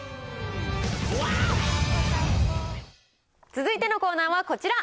続いてのコーナーはこちら。